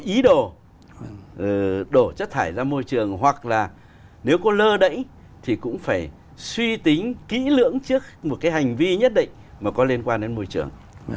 ý đồ đổ chất thải ra môi trường hoặc là nếu có lơ đẩy thì cũng phải suy tính kỹ lưỡng trước một cái hành vi nhất định mà có liên quan đến môi trường